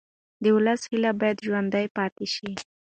د ولس هیله باید ژوندۍ پاتې شي